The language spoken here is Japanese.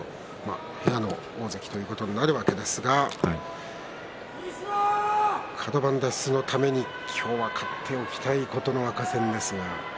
部屋の大関ということになるわけですがカド番脱出のために今日は勝っておきたい琴ノ若戦ですが。